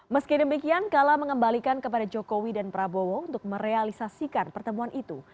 meski demikian kala mengembalikan kepada jokowi dan prabowo untuk merealisasikan pertemuan itu